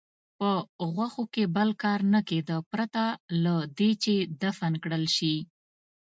په غوښو یې بل کار نه کېده پرته له دې چې دفن کړل شي.